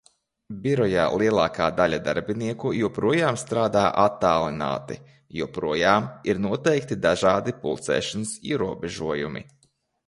Birojā lielākā daļa darbinieku joprojām strādā attālināti. Joprojām ir noteikti dažādi pulcēšanās ierobežojumi.